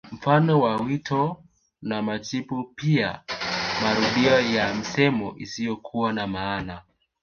Mfano wa wito na majibu pia marudio ya misemo isiyokuwa na maana